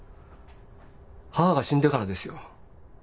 母が死んでからですよ。